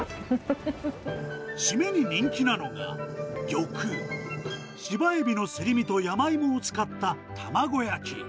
締めに人気なのがぎょく、芝エビのすり身と山芋を使った卵焼き。